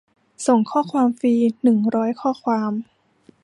ส่งข้อความฟรี หนึ่งร้อยข้อความ